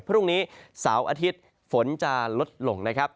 พรุ่งนี้เสาร์อาทิตย์ฝนจะลดลงนะครับ